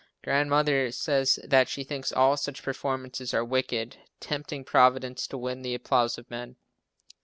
Grandmother says that she thinks all such performances are wicked, tempting Providence to win the applause of men.